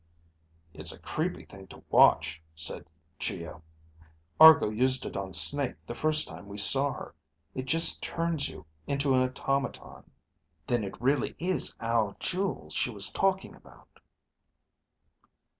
"It's a creepy thing to watch," said Geo. "Argo used it on Snake the first time we saw her. It just turns you into an automaton." "Then it really is our jewels she was talking about."